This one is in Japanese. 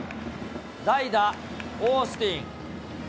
代打、オースティン。